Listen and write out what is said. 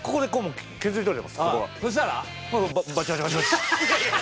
そしたら？